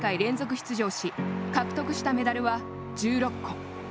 出場し獲得したメダルは１６個。